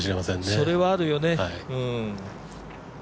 それはあるよね。